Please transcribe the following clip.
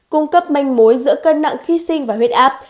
cung cấp manh mối giữa cân nặng khi sinh và huyết áp